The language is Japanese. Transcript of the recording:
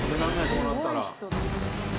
こうなったら。